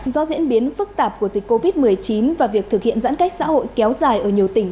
do diễn biến phức tạp của dịch covid một mươi chín và việc thực hiện giãn cách xã hội kéo dài ở nhiều tỉnh